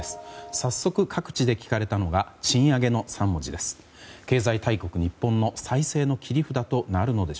早速、各地で聞かれたのが賃上げの３文字です。